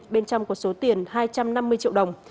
bên trong có số tiền hai trăm năm mươi triệu đồng